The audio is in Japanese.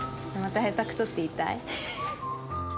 また下手くそって言いたい？